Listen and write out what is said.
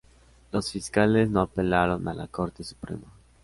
Los fiscales no apelaron a la Corte Suprema.